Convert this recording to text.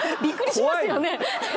びっくりしますよね？